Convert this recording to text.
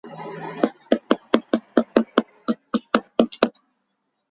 They are not said to be sorcerers or priests.